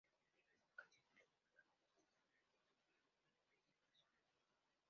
En diversas ocasiones los protagonistas han mentido por algún beneficio personal.